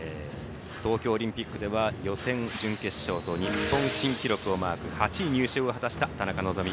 東京オリンピックでは予選、準決勝と日本新記録をマーク８位入賞を果たした田中希実。